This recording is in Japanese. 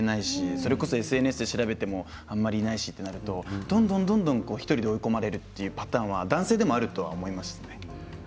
それこそＳＮＳで調べてもあんまりないしとなるとどんどんどんどん１人で追い込まれるというパターンは男性でもあるとは思いましたね。